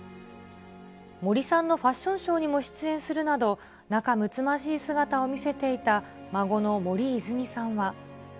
森さんのファッションショーにも出演するなど、仲むつまじい姿を見せていた孫の森泉さんは。